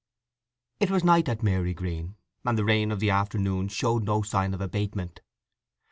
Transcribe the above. It was night at Marygreen, and the rain of the afternoon showed no sign of abatement.